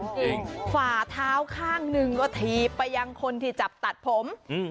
จริงฝ่าเท้าข้างหนึ่งก็ถีบไปยังคนที่จับตัดผมอืม